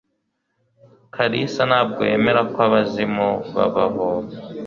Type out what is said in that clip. kalisa ntabwo yemera ko abazimu babaho.